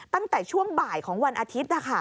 ตั้งแต่ช่วงบ่ายของวันอาทิตย์